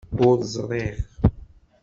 Ur ẓriɣ.